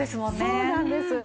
そうなんです。